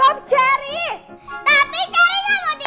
tapi sherry gak mau tidur disini